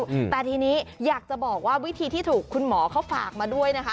อืมแต่ทีนี้อยากจะบอกว่าวิธีที่ถูกคุณหมอเขาฝากมาด้วยนะคะ